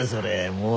もう。